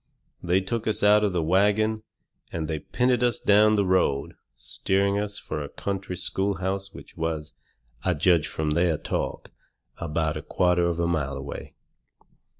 They took us out of the wagon, and they pinted us down the road, steering us fur a country schoolhouse which was, I judged from their talk, about a quarter of a mile away.